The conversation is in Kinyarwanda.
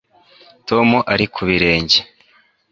tom ari ku birenge